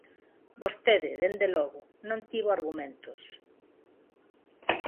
Vostede, dende logo, non tivo argumentos.